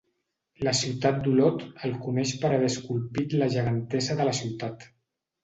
La ciutat d'Olot el coneix per haver esculpit la Gegantessa de la Ciutat.